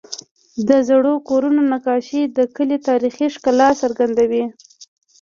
د زړو کورونو نقاشې د کلي تاریخي ښکلا څرګندوي.